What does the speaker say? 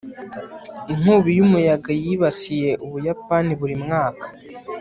inkubi y'umuyaga yibasiye ubuyapani buri mwaka